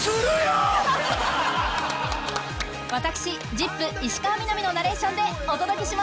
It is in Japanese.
私『ＺＩＰ！』石川みなみのナレーションでお届けします